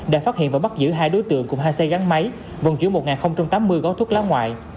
đã phát hiện và bắt giữ hai đối tượng cùng hai xe gắn máy vận chuyển một tám mươi gói thuốc lá ngoại